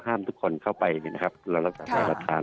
ห้ามทุกคนเข้าไปนะครับรับสารรับฐาน